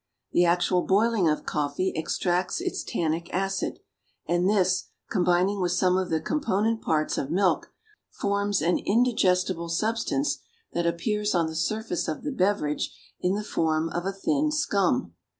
The actual boiling of coffee extracts its tannic acid, and this, combining with some of the component parts of milk, forms an indigestible substance that appears on the surface of the beverage in the form of a thin scum.